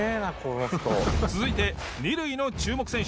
続いて二塁の注目選手